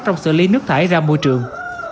trong xử lý nước thải ra môi trường